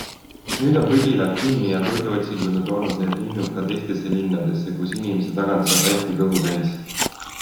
Nüüd on prügilad kinni ja toiduotsingud on toonud need linnud ka teistesse linnadesse, kus inimeste tagant saab hästi kõhu täis.